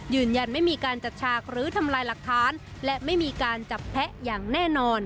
ยืนยันไม่มีการจัดฉากหรือทำลายหลักฐานและไม่มีการจับแพะอย่างแน่นอน